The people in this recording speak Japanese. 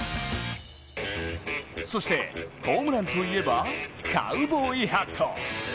そしてホームランといえばカウボーイハット。